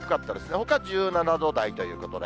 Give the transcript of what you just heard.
ほか１７度台ということで。